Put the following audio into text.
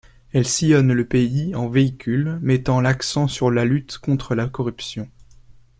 Elle sillonne le pays en véhicule, mettant l'accent sur la lutte contre la corruption.